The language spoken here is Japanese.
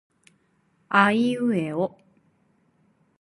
aiueo